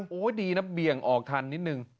โอ้โหดีนะเบี่ยงออกทันนิดนึง